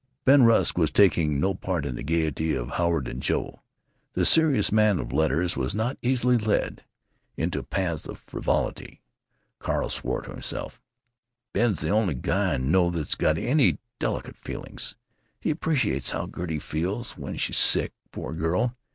Ben Rusk was taking no part in the gaiety of Howard and Joe. The serious man of letters was not easily led into paths of frivolity. Carl swore to himself: "Ben 's the only guy I know that's got any delicate feelings. He appreciates how Gertie feels when she's sick, poor girl.